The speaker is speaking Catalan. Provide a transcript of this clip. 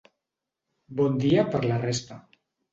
Bon dia per la resta.